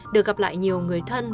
được gặp lại nhiều người thân